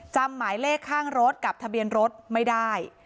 จำหมายเลขข้างรถกับทะเบียนรถไม่ได้